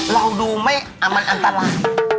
เราดูไม่มันอันตราย